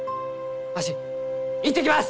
わし行ってきます！